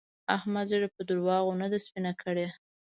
احمد ږيره په درواغو نه ده سپينه کړې.